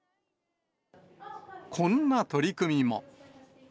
こんな取り組みも。